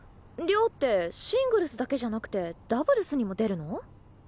亮ってシングルスだけじゃなくてダブルスにも出るの？